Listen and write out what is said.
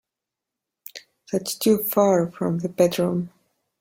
That's too far from the bedroom.